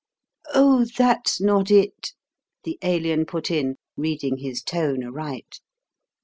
"Oh, that's not it," the Alien put in, reading his tone aright.